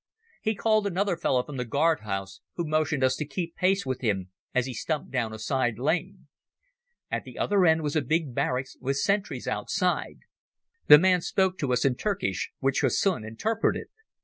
He called another fellow from the guardhouse, who motioned us to keep pace with him as he stumped down a side lane. At the other end was a big barracks with sentries outside. The man spoke to us in Turkish, which Hussin interpreted.